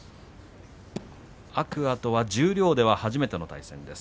天空海とは十両では初めての対戦です。